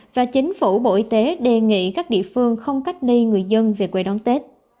và chính phủ bộ y tế đề nghị các địa phương không cách ly người dân về quê đón tết